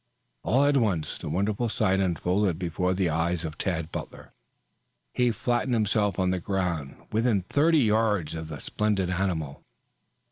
All at once the wonderful sight unfolded before the eyes of Tad Butler. He flattened himself on the ground, within thirty yards of the splendid animal.